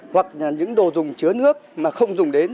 hoặc là những đồ dùng chứa nước mà không dùng đến